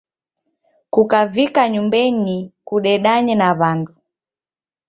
Kukavika nyumbenyi kudedanye na w'andu.